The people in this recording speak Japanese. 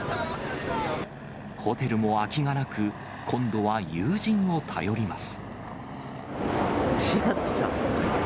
ホテルも空きがなく、今度は友人を頼ります。